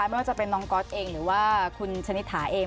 ไม่ว่าจะเป็นน้องก๊อตเองหรือว่าคุณชนิษฐาเอง